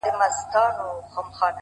ژور فکر سطحي تېروتنې کموي،